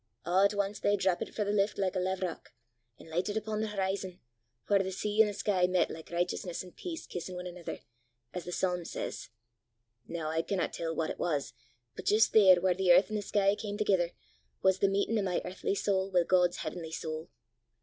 A' at ance they drappit frae the lift like a laverock, an' lichtit upo' the horizon, whaur the sea an' the sky met like richteousness an' peace kissin' ane anither, as the psalm says. Noo I canna tell what it was, but jist there whaur the earth an' the sky cam thegither, was the meetin' o' my earthly sowl wi' God's h'avenly sowl!